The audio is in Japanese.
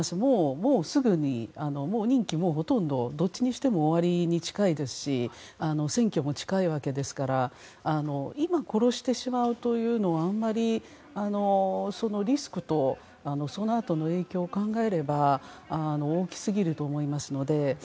もうすぐに任期はどっちにしても終わりに近いですし選挙も近いわけですから今、殺してしまうというのはリスクとそのあとの影響を考えれば大きすぎると思いますので。